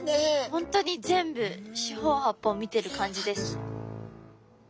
本当に全部四方八方見てる感じです。